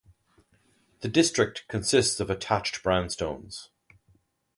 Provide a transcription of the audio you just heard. The district consists of attached brownstones.